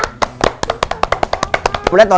น้องไมโครโฟนจากทีมมังกรจิ๋วเจ้าพญา